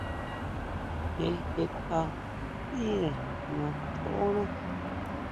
Je jetʼa sʼíre natjóná.